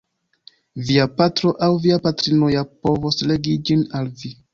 Via patro aŭ via patrino ja povos legi ĝin al vi.